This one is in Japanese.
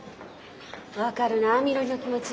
分かるなみのりの気持ち。